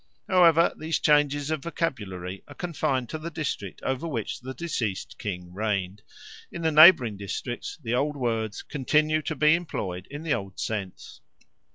However, these changes of vocabulary are confined to the district over which the deceased king reigned; in the neighbouring districts the old words continue to be employed in the old sense.